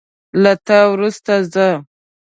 له تا وروسته زه